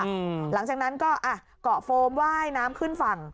หลังจากนั้นก็อ่ะเกาะโฟมว่ายน้ำขึ้นฝั่ง